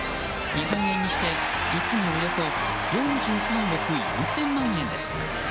日本円にして、実におよそ４３億４０００万円です。